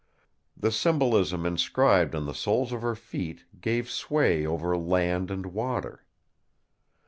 The symbolism inscribed on the soles of her feet gave sway over Land and Water.